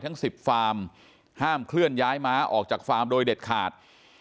ทั้ง๑๐ฟาร์มห้ามเคลื่อนย้ายม้าออกจากฟาร์มโดยเด็ดขาด